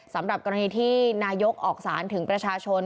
สำหรับกรณีที่นายกออกสารถึงประชาชน